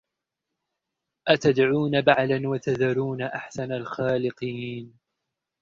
أَتَدْعُونَ بَعْلًا وَتَذَرُونَ أَحْسَنَ الْخَالِقِينَ